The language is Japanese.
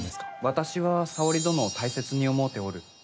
私は沙織殿を大切に思うておる。